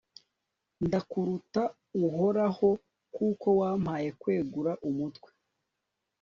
ndakurata, uhoraho, kuko wampaye kwegura umutwe